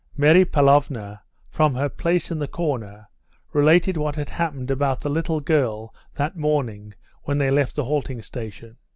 Mary Pavlovna from her place in the corner related what had happened about the little girl that morning when they left the halting station.